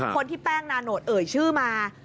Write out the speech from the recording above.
คนที่แป้งนาโนตเอ่ยชื่อมา